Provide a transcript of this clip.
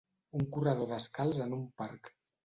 Un corredor descalç en un parc.